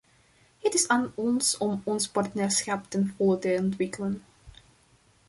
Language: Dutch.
Het is aan ons om ons partnerschap ten volle te ontwikkelen.